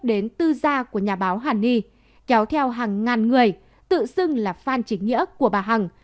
đến tư gia của nhà báo hàn ni kéo theo hàng ngàn người tự xưng là phan chính nghĩa của bà hằng